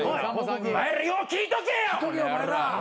お前らよう聞いとけ！